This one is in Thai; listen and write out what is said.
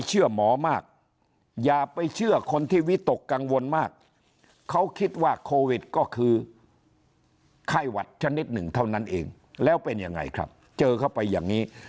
เจอเขาไปอย่างนี้